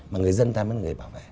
mà người dân ta mới người bảo vệ